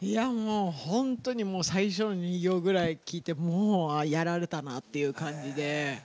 本当に最初２秒ぐらい聴いてもうやられたなという感じで。